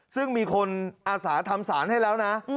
ซึ่งมีคนอาสาทำสารให้แล้วนะ